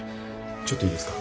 ちょっといいですか？